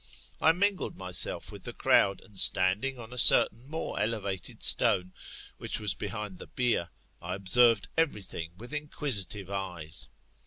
I mingled myself with the crowd, and standing on a certain more elevated stone, which was behind the bier, I observed every thing with inquisitive eyes.